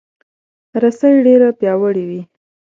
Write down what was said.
رسۍ ډیره پیاوړې وي.